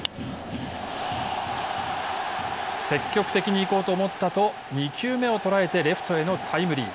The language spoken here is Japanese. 積極的に行こうと思ったと２球目を捉えてレフトへのタイムリー。